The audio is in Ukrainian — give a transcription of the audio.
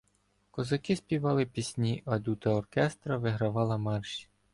Козаки співали пісні, а дута оркестра вигравала марші.